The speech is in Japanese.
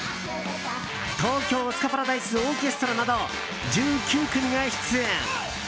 東京スカパラダイスオーケストラなど１９組が出演。